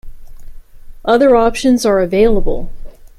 Other options are available.